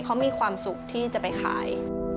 เขามีความสุขที่จะไปขาย